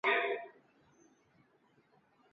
类短肋黄耆是豆科黄芪属的植物。